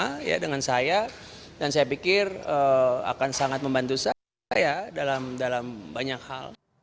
saya dengan saya dan saya pikir akan sangat membantu saya dalam banyak hal